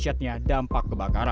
kekuatan berhasil terbakar